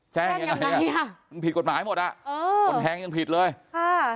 แจ้งยังไงอ่ะมันผิดกฎหมายหมดอ่ะเออคนแทงยังผิดเลยค่ะ